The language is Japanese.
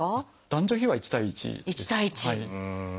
男女比は１対１です。